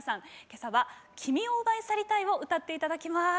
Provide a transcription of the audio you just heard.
今朝は「君を奪い去りたい」を歌っていただきます。